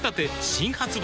新発売